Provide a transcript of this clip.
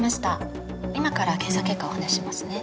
今から検査結果をお話ししますね。